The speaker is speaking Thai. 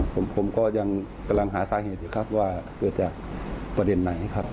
ผมก็ยังกำลังหาสาเหตุอยู่ครับว่าเกิดจากประเด็นไหนครับ